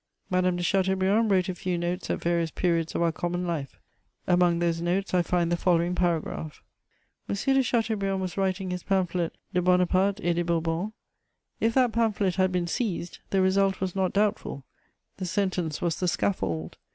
Madame de Chateaubriand wrote a few notes at various periods of our common life; among those notes I find the following paragraph: "M. de Chateaubriand was writing his pamphlet De Bonaparte et des Bourbons. If that pamphlet had been seized, the result was not doubtful: the sentence was the scaffold.